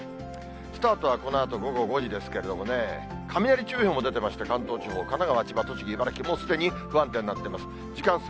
スタートはこのあと午後５時ですけどね、雷注意報も出てまして、関東地方、神奈川、千葉、栃木、茨城、不安定になっています。